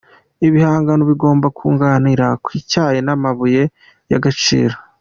Ibihangano bigomba kunganira Ku Icyayi n’amabuye y’agaciro